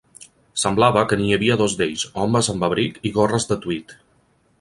Semblava que n'hi havia dos d'ells, homes amb abrig i gorres de Tweed.